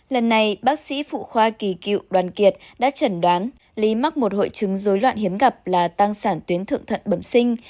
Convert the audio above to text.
lần này bác sĩ phụ khoa kỳ cựu đoàn kiệt đã trần đoán ly mắc một hội trứng dối loạn hiếm gặp là tăng sản tuyến thượng thuận bẩm sinh